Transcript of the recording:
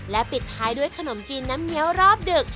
ปิดท้ายด้วยขนมจีนน้ำเงี้ยวรอบดึก